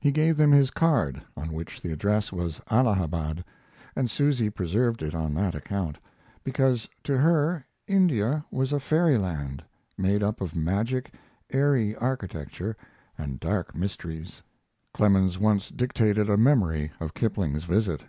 He gave them his card, on which the address was Allahabad, and Susy preserved it on that account, because to her India was a fairyland, made up of magic, airy architecture, and dark mysteries. Clemens once dictated a memory of Kipling's visit.